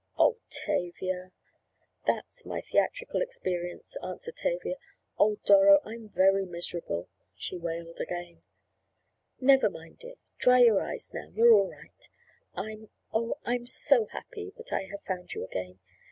"Oh, Tavia!" "That's my theatrical experience," answered Tavia. "Oh, Doro, I'm very miserable," she wailed again. "Never mind, dear. Dry your eyes now, you're all right. I'm—Oh, I'm so happy that I have found you again.